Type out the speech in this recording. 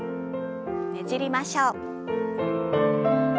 ねじりましょう。